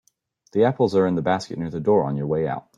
The apples are in the basket near the door on your way out.